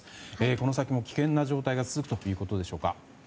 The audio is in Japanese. この先も危険な状態が続くということでしょうか。